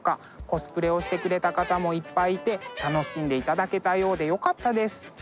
コスプレをしてくれた方もいっぱいいて楽しんでいただけたようでよかったです。